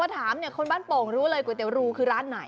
ถามคนบ้านโปงรู้เลยก๋วยเตี๋ยวรูคือร้านไหน